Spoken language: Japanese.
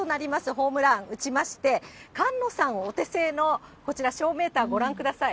ホームラン打ちまして、菅野さんお手製のこちら、ショーメーター、ご覧ください。